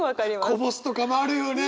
こぼすとかもあるよね！